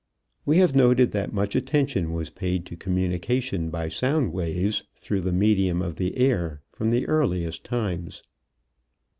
We have noted that much attention was paid to communication by sound waves through the medium of the air from the earliest times.